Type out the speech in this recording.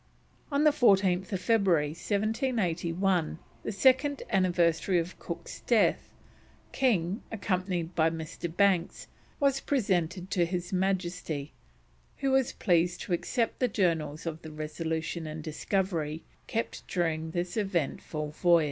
On 14th February 1781, the second anniversary of Cook's death, King, accompanied by Mr. Banks, was presented to His Majesty, who was pleased to accept the Journals of the Resolution and Discovery kept during this eventful voyage.